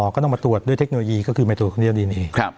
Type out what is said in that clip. ก็ต้องมาตรวจด้วยเทคโนโลยีก็คือไปตรวจค้นเอง